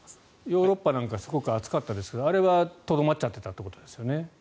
ヨーロッパなんかすごく暑かったですがそれはとどまっていたということですよね。